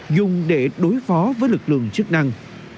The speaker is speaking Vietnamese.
dùng để đối phó với lực lượng chức năng